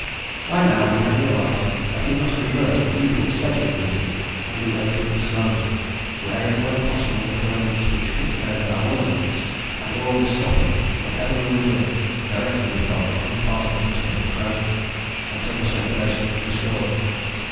By now we had realized that we must reverse the usual sledging routine and do everything slowly, wearing when possible the fur mitts which fitted over our woollen mitts, and always stopping whatever we were doing, directly we felt that any part of us was getting frozen, until the circulation was restored.